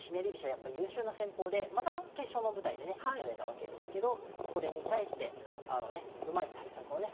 やっぱり優秀な戦法でまた決勝の舞台でね指されたわけですけどそれに対してうまい対策をね